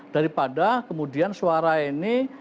daripada kemudian suara ini